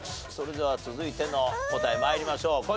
それでは続いての答え参りましょう。